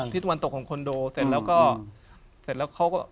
ตะวันตกของคอนโดเสร็จแล้วก็เสร็จแล้วเขาก็